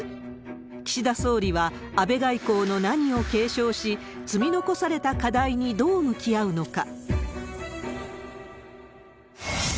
岸田総理は、安倍外交の何を継承し、積み残された課題にどう向き合うのか。